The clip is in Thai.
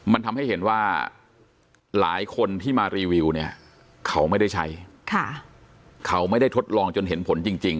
มันทำให้เห็นว่าหลายคนที่มารีวิวเนี่ยเขาไม่ได้ใช้เขาไม่ได้ทดลองจนเห็นผลจริง